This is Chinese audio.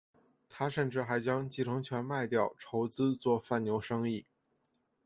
他甚至还将继承权卖掉筹资做贩牛生意。